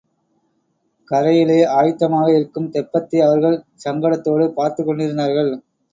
கரையிலே, ஆய்த்தமாக இருக்கும் தெப்பத்தை அவர்கள் சங்கடத்தோடு பார்த்துக் கொண்டிருந்தார்கள்.